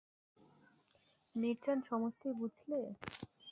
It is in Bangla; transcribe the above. মিরজান সমস্তই বুঝলে।